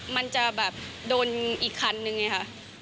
มันจะแบบโดนอีกคันนึงไงค่ะ